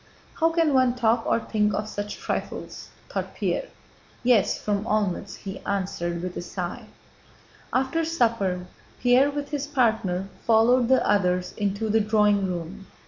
"How can one talk or think of such trifles?" thought Pierre. "Yes, from Olmütz," he answered, with a sigh. After supper Pierre with his partner followed the others into the drawing room.